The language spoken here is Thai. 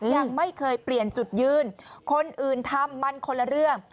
ยังไม่เคยเปลี่ยนจุดยืนคนอื่นทำมันคนละเรื่อง